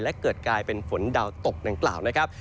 และเกิดกลายเป็นฝนดาวตกดังกล่าวนะครับ